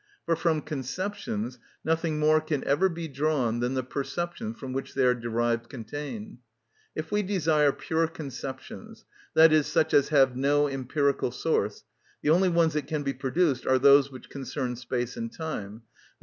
For from conceptions nothing more can ever be drawn than the perceptions from which they are derived contain. If we desire pure conceptions, i.e., such as have no empirical source, the only ones that can be produced are those which concern space and time, _i.